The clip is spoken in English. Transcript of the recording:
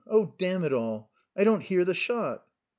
Oh, damn it all, I don't hear the shot!"